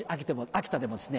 秋田でもですね